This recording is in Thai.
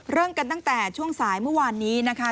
เริ่มกันตั้งแต่ช่วงสายเมื่อวานนี้นะคะ